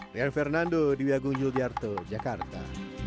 rian fernando di wg yuliartho jakarta